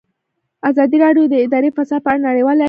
ازادي راډیو د اداري فساد په اړه نړیوالې اړیکې تشریح کړي.